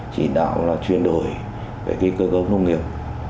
chỉ đạo là chuyển đổi về cái cơ cấu nông nghiệp